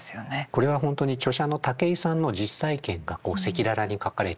これは本当に著者の竹井さんの実体験が赤裸々に書かれている本なんです。